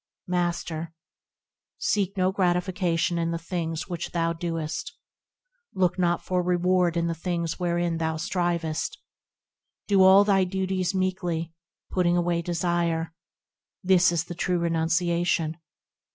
Master. Seek no gratification in the things which thou doest ; Look not for reward in the things wherein thou strivest ; Do all thy duties meekly, putting away desire– This is the true renunciation.